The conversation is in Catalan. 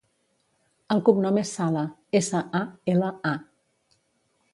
El cognom és Sala: essa, a, ela, a.